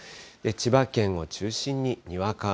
千葉県を中心ににわか雨。